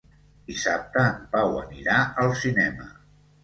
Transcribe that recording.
Dissabte en Pau anirà al cinema.